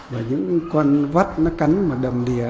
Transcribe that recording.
và những con vắt nó cắn mà đầm đìa